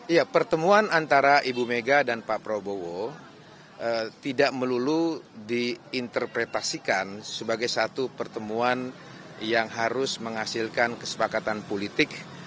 ya pertemuan antara ibu mega dan pak prabowo tidak melulu diinterpretasikan sebagai satu pertemuan yang harus menghasilkan kesepakatan politik